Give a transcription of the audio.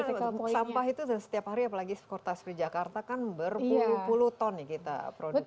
itu kenapa karena sampah itu setiap hari apalagi kota kota jakarta kan berpuluh puluh ton ya kita produksi